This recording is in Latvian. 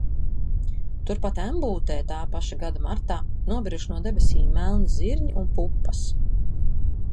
Turpat Embūtē tā paša gada martā nobiruši no debesīm melni zirņi un pupas.